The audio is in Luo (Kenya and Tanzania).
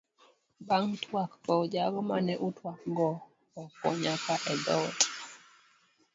Ban'g twak kow jago mane utwak go oko nyaka e thoot.